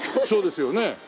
そうですよね。